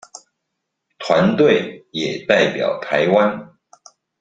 團隊也代表臺灣